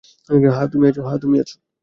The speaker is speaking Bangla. হ্যা, তুমি আছো।